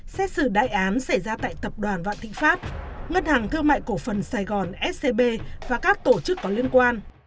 xét xử đại án xảy ra tại tập đoàn vạn thịnh pháp ngân hàng thương mại cổ phần sài gòn scb và các tổ chức có liên quan